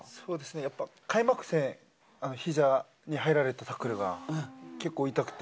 やっぱ開幕戦、膝に入られたタックルが結構痛くて。